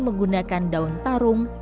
menggunakan daun tarung yang memiliki